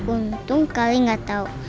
untung kali gak tahu